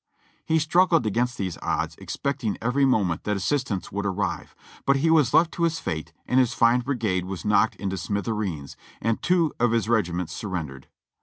He struggled against these odds expecting every moment that assistance would arrive, but he was left to his fate and his fine brigade was knocked into smithereens, and two of his regiments surrendered.